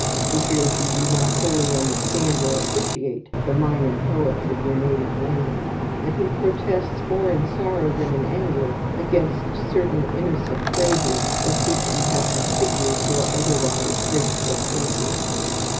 He fears you do not "wholly understand or appreciate the minor poets of your native land"; and he protests, more in sorrow than in anger, against certain innocent phrases with which you have disfigured "your otherwise graceful pages."